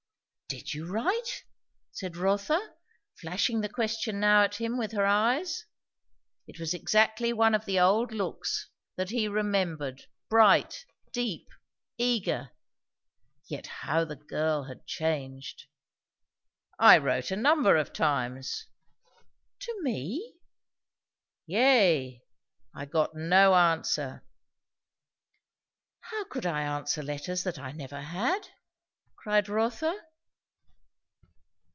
"Did you write?" said Rotha, flashing the question now at him with her eyes. It was exactly one of the old looks, that he remembered, bright, deep, eager. Yet how the girl had changed! "I wrote a number of times." "To me?" "Yea. I got no answer." "How could I answer letters that I never had?" cried Rotha.